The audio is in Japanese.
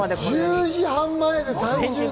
１０時半前で。